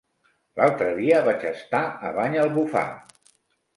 L'altre dia vaig estar a Banyalbufar.